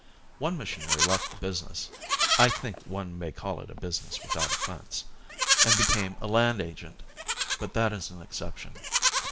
One missionary left the business I think one may call it a business without offence and became a land agent, but that is an exception.